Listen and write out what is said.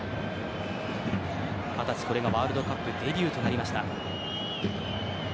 二十歳、これがワールドカップデビューとなりました。